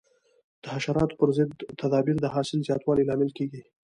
د حشراتو پر ضد تدابیر د حاصل زیاتوالي لامل کېږي.